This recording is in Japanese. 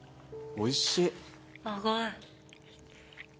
おいしい。